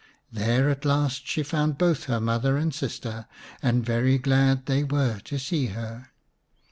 There at last she found both her mother and sister, and very glad they were to see her.